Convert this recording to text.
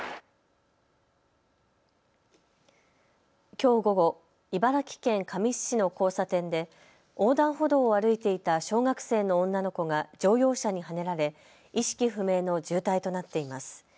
きょう午後、茨城県神栖市の交差点で横断歩道を歩いていた小学生の女の子が乗用車にはねられ意識不明の重体となっています。